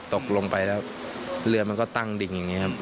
ตกลงไปแล้วเรือมันก็ตั้งดิ่งอย่างนี้ครับ